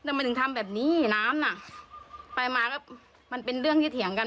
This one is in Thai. ทำไมถึงทำแบบนี้น้ำน่ะไปมาก็มันเป็นเรื่องที่เถียงกัน